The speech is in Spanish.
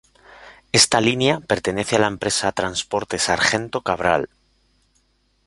Esta línea pertenece a la empresa Transporte Sargento Cabral.